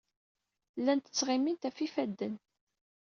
Llant ttɣimint ɣef yifadden.